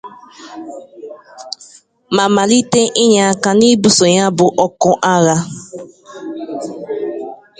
ma màlite inye aka n'ibusò ya bụ ọkụ agha